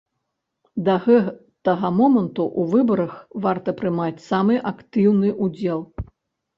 Да гэтага моманту ў выбарах варта прымаць самы актыўны ўдзел.